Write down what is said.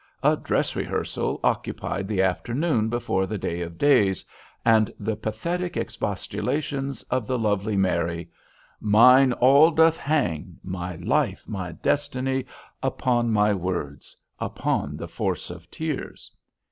A dress rehearsal occupied the afternoon before the day of days, and the pathetic expostulations of the lovely Mary— Mine all doth hang—my life—my destiny— Upon my words—upon the force of tears!